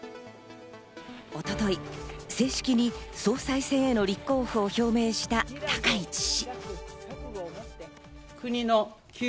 一昨日、正式に総裁選への立候補を表明した高市氏。